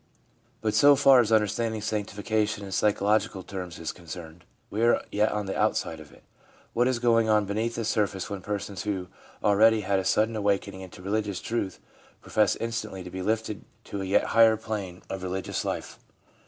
But so far as understanding sanctification in psycho logical terms is concerned, we are yet on the outside of it. What is going on beneath the surface when persons who have already had a sudden awakening into religious truth profess instantly to be lifted to a yet higher plane SANCTIFICATION 381 of religious life?